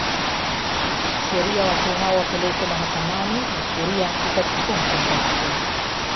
sheria watu hao wapelekwe mahakamani na sheria ikachukua mkondo wake